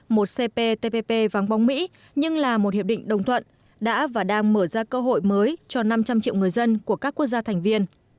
một cptpp vắng bóng mỹ nhưng là một hiệp định đồng thuận đã và đang mở ra cơ hội mới cho năm trăm linh triệu người dân của các quốc gia thành viên